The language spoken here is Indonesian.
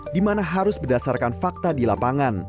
di mana harus berdasarkan fakta di lapangan